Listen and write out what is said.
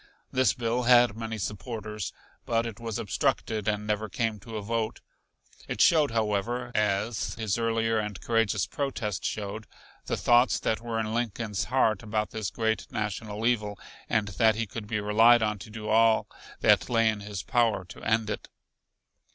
This bill had many supporters, but it was obstructed and never came to a vote. It showed, however, as his earlier and courageous protest showed, the thoughts that were in Lincoln's heart about this great national evil, and that he could be relied on to do all that lay in his power to end it.